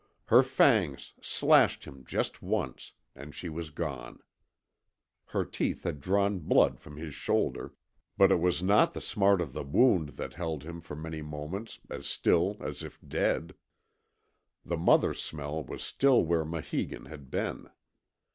Her fangs slashed him just once and she was gone. Her teeth had drawn blood from his shoulder, but it was not the smart of the wound that held him for many moments as still as if dead. The Mother smell was still where Maheegun had been.